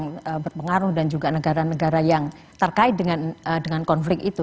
yang berpengaruh dan juga negara negara yang terkait dengan konflik itu